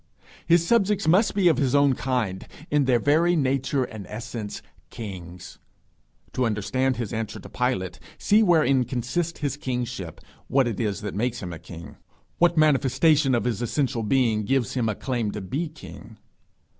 His subjects must be of his own kind, in their very nature and essence kings. To understand his answer to Pilate, see wherein consists his kingship; what it is that makes him a king; what manifestation of his essential being gives him a claim to be king.